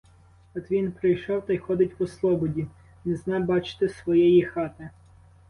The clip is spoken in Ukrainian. От він прийшов та й ходить по слободі — не зна, бачите, своєї хати.